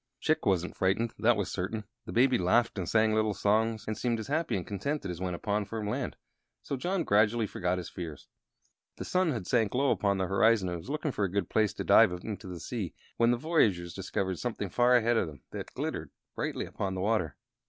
Chick wasn't frightened, that was certain. The Baby laughed and sang little songs, and seemed as happy and contented as when upon firm land; so John gradually forgot his fears. The sun had sank low upon the horizon, and was looking for a good place to dive into the sea, when the voyagers discovered something far ahead of them that glittered brightly upon the water.